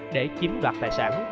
để chiếm đoạt tài sản